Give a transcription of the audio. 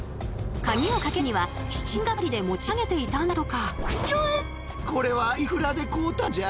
鍵をかける時には７人がかりで持ち上げていたんだとか。